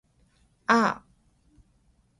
ああ